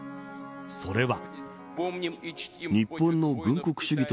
それは。